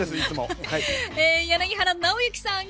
柳原尚之さん